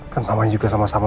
kan samanya juga sama sama